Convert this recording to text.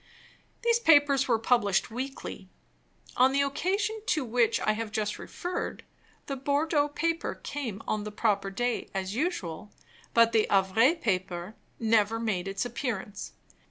These papers were published weekly. On the occasion to which I have just referred, the Bordeaux paper came on the proper day, as usual; but the Havre paper never made its appearance.